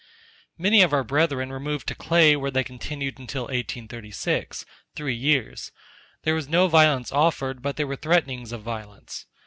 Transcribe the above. Many of our brethren removed to Clay where they continued until 1836, three years; there was no violence offered but there were threatnings of violence.